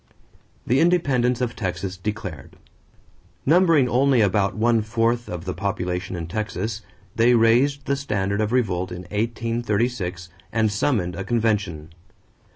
=The Independence of Texas Declared.= Numbering only about one fourth of the population in Texas, they raised the standard of revolt in 1836 and summoned a convention.